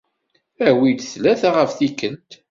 Awi-d tlata ɣef tikelt.